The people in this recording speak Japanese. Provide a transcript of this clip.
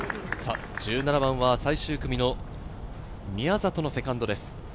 １７番は最終組の宮里のセカンドです。